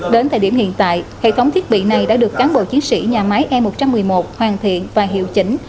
đến thời điểm hiện tại hệ thống thiết bị này đã được cán bộ chiến sĩ nhà máy e một trăm một mươi một hoàn thiện và hiệu chỉnh